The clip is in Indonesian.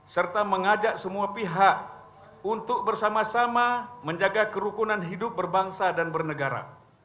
serta mengajak semua pihak untuk bersama sama menjaga kerukunan hidup berbangsa dan bernegara